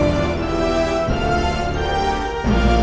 aku akan selalu mencintai kamu